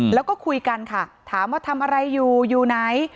แล้วก็คุยกันค่ะถามว่าทำอะไรอยู่อยู่ไหน